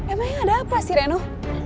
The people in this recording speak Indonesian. emangnya ada apa sih reno